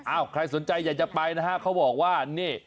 ใครสนใจอยากจะไปนะฮะเขาบอกว่านี่